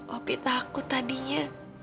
opi takut tadinya